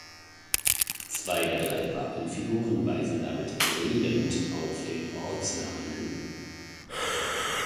Zwei der drei Wappenfiguren weisen damit „redend“ auf den Ortsnamen hin.